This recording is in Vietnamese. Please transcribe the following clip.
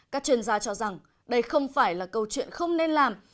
các chuyên gia cho rằng đây không phải là câu chuyện không nên làm